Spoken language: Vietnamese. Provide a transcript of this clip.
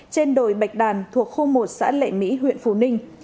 trên đồi bạch đàn thuộc khu một xã lệ mỹ huyện phù ninh